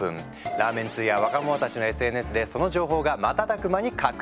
ラーメン通や若者たちのＳＮＳでその情報が瞬く間に拡散。